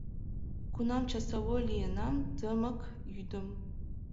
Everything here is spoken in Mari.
Кунам часовой лийынам тымык йӱдым.